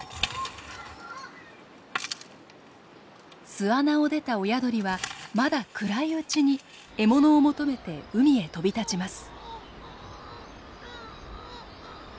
巣穴を出た親鳥はまだ暗いうちに獲物を求めて海へ飛び立ちます。